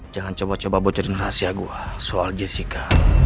jangan coba coba bocorin rahasia gue soal jessica